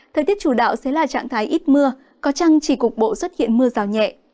thời tiết chủ đạo sẽ là trạng thái ít mưa có trăng chỉ cục bộ xuất hiện mưa rào nhẹ